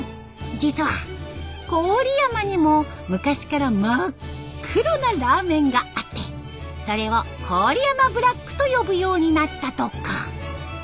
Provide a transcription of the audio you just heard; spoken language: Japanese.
実は郡山にも昔から真っ黒なラーメンがあってそれを郡山ブラックと呼ぶようになったとか。